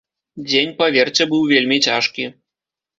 Дзень, паверце, быў вельмі цяжкі.